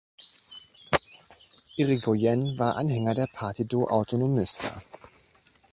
Irigoyen war Anhänger der Partido Autonomista.